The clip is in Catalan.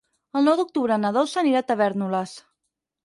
El nou d'octubre na Dolça anirà a Tavèrnoles.